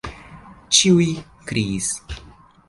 ĉiuj kriis.